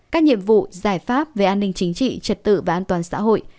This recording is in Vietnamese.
các nhiệm vụ giải pháp về an ninh chính trị trật tự và an toàn xã hội